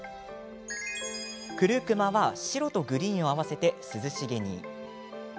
クルクマは白とグリーンを合わせて涼しげに。